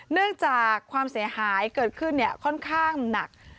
เนื่องจากความเสียหายเกิดขึ้นค่อนข้างหนัก